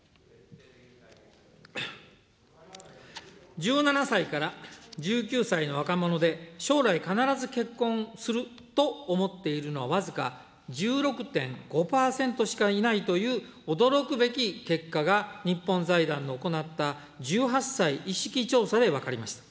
１７歳から１９歳の若者で、将来必ず結婚すると思っているのは、僅か１６．５％しかいないという驚くべき結果が日本財団の行った、１８歳意識調査で分かりました。